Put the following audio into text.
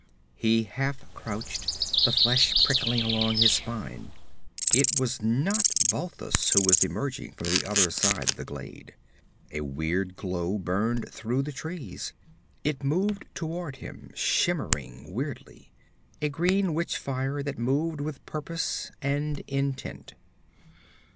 He half crouched, the flesh prickling along his spine. It was not Balthus who was emerging from the other side of the glade. A weird glow burned through the trees. It moved toward him, shimmering weirdly a green witch fire that moved with purpose and intent.